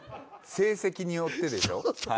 成績によってでしょ？